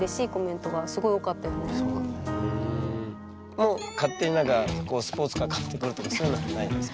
もう勝手にスポーツカー買ってくるとかそういうのはないんですか？